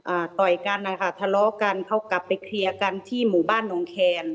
ต่อยกันนะคะทะเลาะกันเขากลับไปเคลียร์กันที่หมู่บ้านหนองแคน